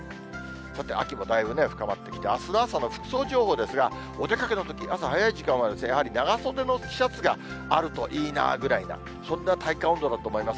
さて、秋もだいぶ深まってきて、あすの朝の服装情報ですが、お出かけのとき、朝早い時間は、やはり長袖のシャツがあるといいなあぐらいな、そんな体感温度だと思います。